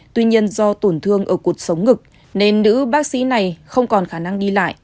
tuy nhiên do tổn thương ở cuộc sống ngực nên nữ bác sĩ này không còn khả năng đi lại